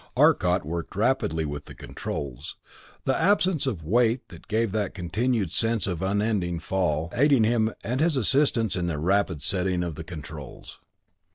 Arcot worked rapidly with the controls, the absence of weight that gave that continued sense of an unending fall, aiding him and his assistants in their rapid setting of the controls.